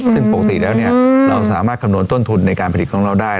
ซึ่งปกติแล้วเราสามารถคำนวณต้นทุนในการผลิตของเราได้